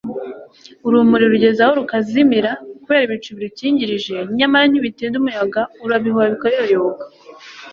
urumuri rugeza aho rukazimira, kubera ibicu birukingirije, nyamara ntibitinda umuyaga urabihuha, bikayoyoka